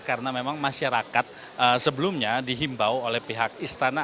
karena memang masyarakat sebelumnya dihimbau oleh pihak istana